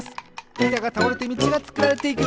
いたがたおれてみちがつくられていく！